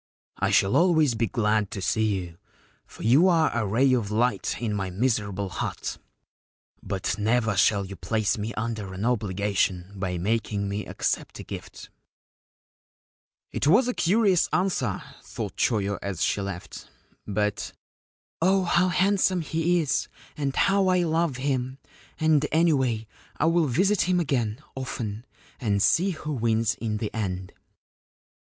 ' I shall always be glad to see you, for you are a ray of light in my miserable hut ; but never shall you place me under an obligation by making me accept a gift/ It was a curious answer, thought Choyo as she left ; but * Oh, how handsome he is, and how I love him ! and anyway I will visit him again, often, and see who wins in the end.'